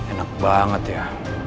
enak banget ya